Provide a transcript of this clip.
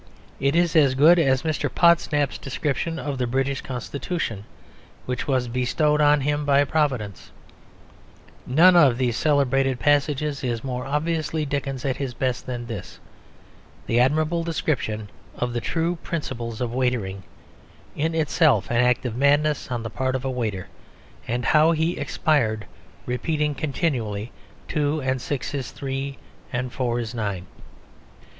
It is as good as Mr. Podsnap's description of the British Constitution, which was bestowed on him by Providence. None of these celebrated passages is more obviously Dickens at his best than this, the admirable description of "the true principles of waitering," or the account of how the waiter's father came back to his mother in broad daylight, "in itself an act of madness on the part of a waiter," and how he expired repeating continually "two and six is three and four is nine."